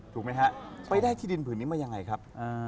ถูกไหมฮะไปได้ที่ดินผืนนี้มายังไงครับ